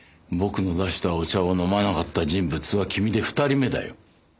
僕の出したお茶を飲まなかった人物は君で２人目だよ。